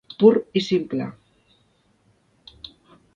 Pur i simple.